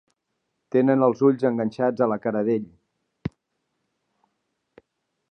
Tenen els ulls enganxats a la cara d'ell.